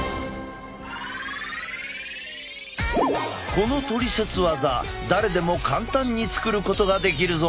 このトリセツ技誰でも簡単に作ることができるぞ。